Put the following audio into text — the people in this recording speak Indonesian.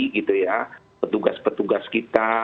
gitu ya petugas petugas kita